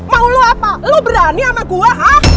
mau lu apa lu berani sama gua